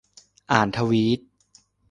อ่านทวีต